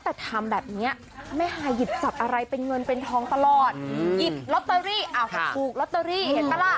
แต่ทำแบบนี้แม่ฮายหยิบจับอะไรเป็นเงินเป็นทองตลอดหยิบลอตเตอรี่ถูกลอตเตอรี่เห็นปะล่ะ